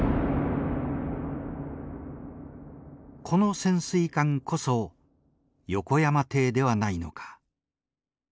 この潜水艦こそ横山艇ではないのか。